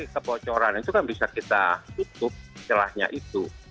tapi kebocoran itu kan bisa kita tutup setelahnya itu